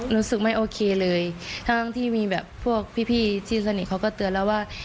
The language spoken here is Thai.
รู้สึกไม่โอเคเลยทั้งที่มีแบบพวกพี่ที่สนิทเขาก็เตือนแล้วว่า